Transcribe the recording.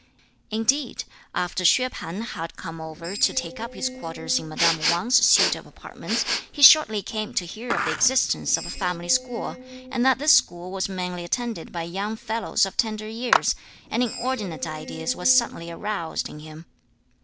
Indeed, after Hsüeh P'an had come over to take up his quarters in madame Wang's suite of apartments, he shortly came to hear of the existence of a family school, and that this school was mainly attended by young fellows of tender years, and inordinate ideas were suddenly aroused in him.